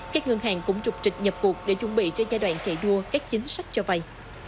các ngân hàng cũng trục trịch nhập cuộc để chuẩn bị cho giai đoạn chạy đua các chính sách cho vay